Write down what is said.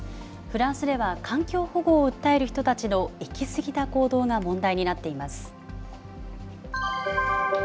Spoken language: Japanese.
フランスでは環境保護を訴える人たちの行き過ぎた行動が問題になっています。